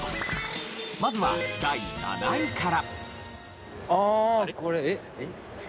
まずは第７位から。